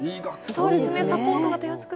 そうですねサポートが手厚くて。